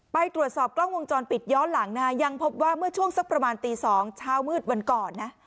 ไปตรวจสอบกล้องวงจรปิดย้อนหลังนะฮะยังพบว่าเมื่อช่วงสักประมาณตี๒เช้ามืดวันก่อนนะ